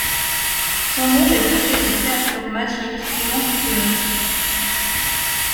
Son monde est peuplé de créatures magiques et monstrueuses.